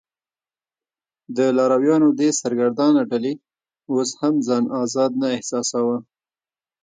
د لارویانو دې سرګردانه ډلې اوس هم ځان آزاد نه احساساوه.